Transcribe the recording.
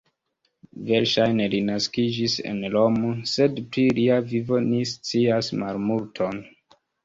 Verŝajne li naskiĝis en Romo, sed pri lia vivo ni scias malmulton.